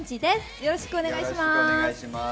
よろしくお願いします。